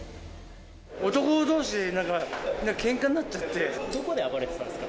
男どうしで、なんかけんかにどこで暴れてたんですか。